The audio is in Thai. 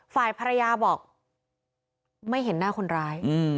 ฝ่ายภรรยาบอกไม่เห็นหน้าคนร้าย